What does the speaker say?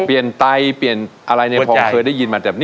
เปลี่ยนไตเปลี่ยนอะไรพอเคยได้ยินมา